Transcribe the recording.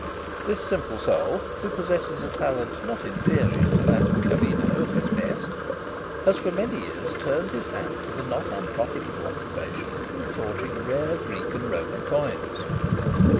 This simple soul, who possesses a talent not inferior to that of Cavino at his best, has for many years turned his hand to the not unprofitable occupation of forging rare Greek and Roman coins.